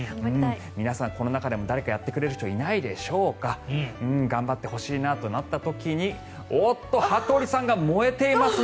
皆さん、この中でも誰かやってくれる人いないでしょうか頑張ってほしいなとなった時におっと、羽鳥さんが燃えていますね。